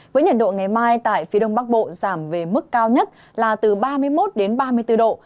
với nhiệt độ ngày mai tại phía đông bắc bộ giảm về mức cao nhất là từ ba mươi một đến ba mươi bốn độ